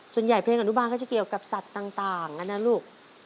เพลงอนุบาลก็จะเกี่ยวกับสัตว์ต่างนะลูก